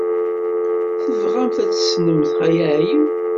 Tebɣamt ad tessnemt Xali Ɛli?